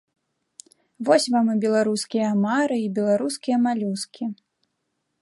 Вось вам і беларускія амары, і беларускія малюскі.